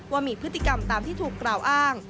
ว่ามีพฤติกรรมตามที่ถูกกล่าวอ้าง